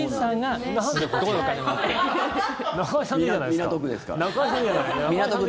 港区ですから。